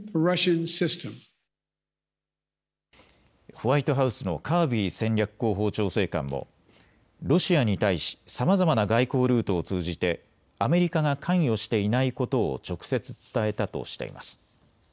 ホワイトハウスのカービー戦略広報調整官もロシアに対しさまざまな外交ルートを通じてアメリカが関与していないことを直接伝えたとしています。